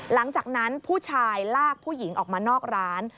หลังจากนั้นผู้ชายลากผู้หญิงออกมานอกร้าน